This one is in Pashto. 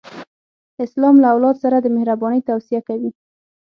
اسلام له اولاد سره د مهرباني توصیه کوي.